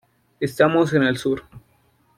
Estamos en el Sur.